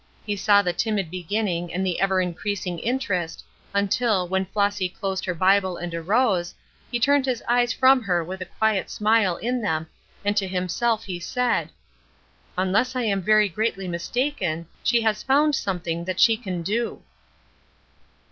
He saw the timid beginning and the ever increasing interest, until, when Flossy closed her Bible and arose, he turned his eyes from her with a quiet smile in them, and to himself he said: "Unless I am very greatly mistaken she has found something that she can do."